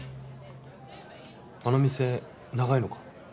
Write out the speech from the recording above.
あの店長いのか？